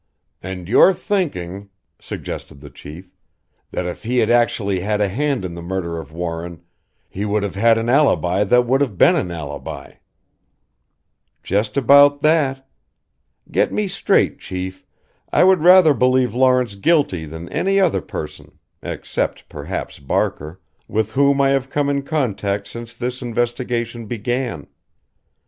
"And you're thinking," suggested the Chief, "that if he had actually had a hand in the murder of Warren he would have had an alibi that would have been an alibi?" "Just about that. Get me straight, Chief I would rather believe Lawrence guilty than any other person except perhaps Barker with whom I have come in contact since this investigation began.